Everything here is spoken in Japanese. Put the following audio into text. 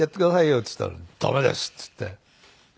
っつったら「ダメです」っつって。